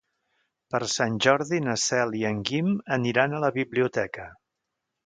Per Sant Jordi na Cel i en Guim aniran a la biblioteca.